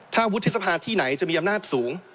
ถ้าวุฒิสภาที่ไหนจะมีอำนาจสูง